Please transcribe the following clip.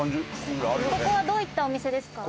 ここはどういったお店ですか？